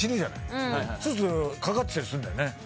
そうするとかかってたりするんだよね。